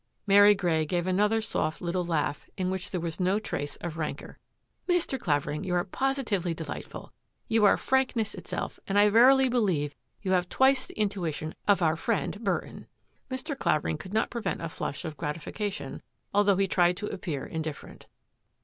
Mary Grey gave another soft little laugh in which there was no trace of rancour. " Mr. Clavering, you are positively delightful ! You are frankness itself, and I verily believe you have twice the intuition of our friend, Burton." Mr. Clavering could not prevent a flush of grati fication, although he tried to appear indifferent.